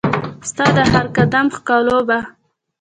ستا د هرقدم ښکالو به